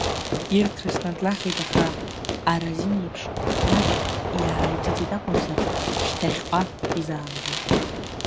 Ирҭрысны длахеит, аха аразинеиԥш маҷк иааиҵыҵит акәымзар, шьҭахьҟа изаамгеит.